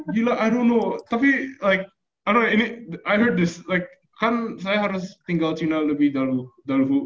gila i don t know tapi like i don t know ini i heard this like kan saya harus tinggal china lebih dahulu